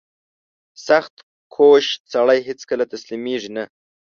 • سختکوش سړی هیڅکله تسلیمېږي نه.